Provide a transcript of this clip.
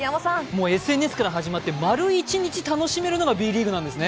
ＳＮＳから始まって丸一日楽しめるのがＢリーグなんですね。